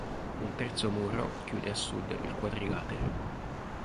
Un terzo muro chiude a sud il quadrilatero.